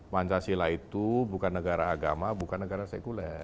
pancasila itu bukan negara agama bukan negara sekuler